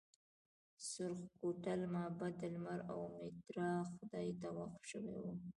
د سورخ کوتل معبد د لمر او میترا خدای ته وقف شوی و